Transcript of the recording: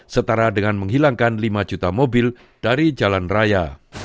setara dengan menghilangkan lima juta mobil dari jalan raya